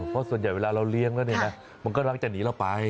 เพราะส่วนใหญ่เวลาเราเลี้ยงแล้วเนี่ยนะมันก็มักจะหนีเราไป